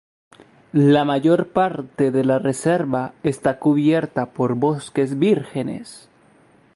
La mayor parte de la reserva está cubierta por bosques vírgenes.